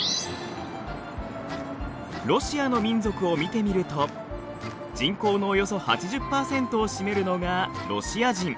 ロシアの民族を見てみると人口のおよそ８０％を占めるのがロシア人。